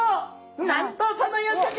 なんとその翌日。